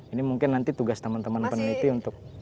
ini mungkin nanti tugas teman teman peneliti untuk